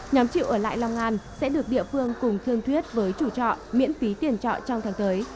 nhóm chịu ở lại long an sẽ được địa phương cùng thương thuyết với chủ trọ miễn phí tiền trọ trong tháng tới